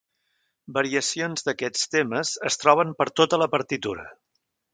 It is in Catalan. Variacions d'aquests temes es troben per tota la partitura.